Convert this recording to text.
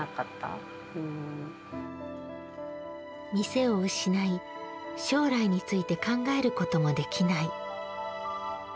店を失い、将来について考えることもできない。